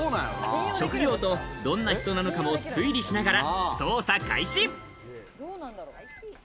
職業とどんな人なのかも推理しながら捜査開始！